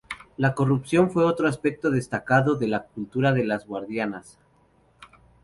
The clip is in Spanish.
La corrupción fue otro aspecto destacado de la cultura de las guardianas.